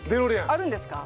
あるんですか？